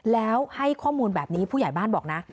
แล้วให้ข้อมูลแบบนี้ผู้ใหญ่บ้านบอกนะ